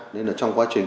nên là trong quá trình